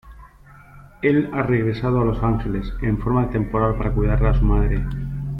Él ha regresado a Los Ángeles en forma temporal para cuidar a su madre.